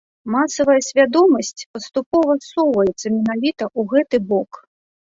Масавая свядомасць паступова ссоўваецца менавіта ў гэты бок.